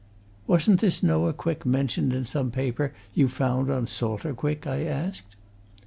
"Wasn't this Noah Quick mentioned in some paper you found on Salter Quick?" I asked.